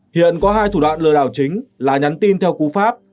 hiện có hai thủ đoạn lừa đảo chính là nhắn tin theo cú pháp